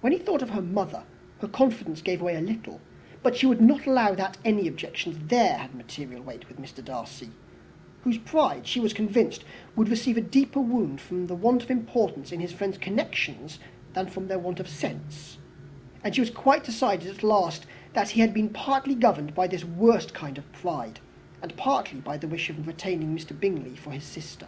When she thought of her mother, indeed, her confidence gave way a little; but she would not allow that any objections there had material weight with Mr. Darcy, whose pride, she was convinced, would receive a deeper wound from the want of importance in his friend's connections than from their want of sense; and she was quite decided, at last, that he had been partly governed by this worst kind of pride, and partly by the wish of retaining Mr. Bingley for his sister.